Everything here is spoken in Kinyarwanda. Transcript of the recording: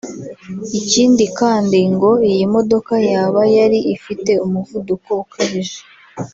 Ikindi kandi ngo iyi modoka yaba yari ifite umuvuduko ukabije